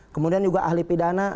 kemudian juga ahli pidana